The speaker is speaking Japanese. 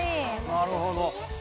なるほど。